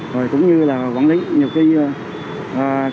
rồi cũng như là quản lý nhiều khi đối với lực lượng công an tại địa phương